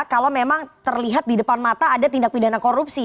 kalau memang terlihat di depan mata ada tindak pidana korupsi